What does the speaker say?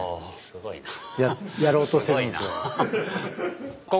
すごいな。